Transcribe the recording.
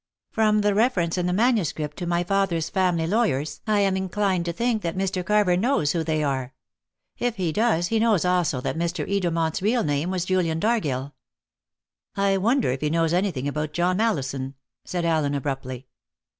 From the reference in the manuscript to my father's family lawyers, I am inclined to think that Mr. Carver knows who they are. If he does, he knows also that Mr. Edermont's real name was Julian Dargill." "I wonder if he knows anything about John Mallison," said Allen abruptly.